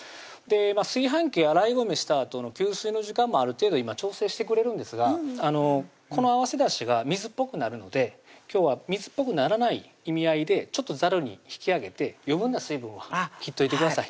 炊飯器洗い米したあとの吸水の時間もある程度今調整してくれるんですがこの合わせだしが水っぽくなるので今日は水っぽくならない意味合いでざるに引き上げて余分な水分は切っといてください